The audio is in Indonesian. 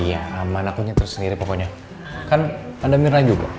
yaman aku nyetir sendiri pokoknya kan anda mirna juga